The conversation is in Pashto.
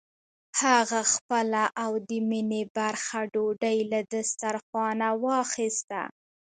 هغه خپله او د مينې برخه ډوډۍ له دسترخوانه واخيسته.